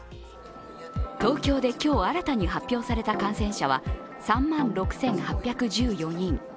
東京で今日新たに発表された感染者は３万６８１４人。